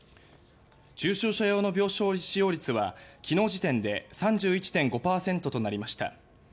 重症者用の病床使用率は昨日時点で３１．５％となりました。